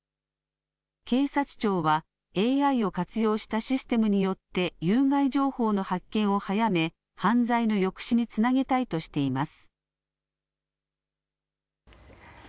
警察庁はＡＩを活用したシステムによって有害情報の発見を早め、犯罪の抑止につなげたいとしています。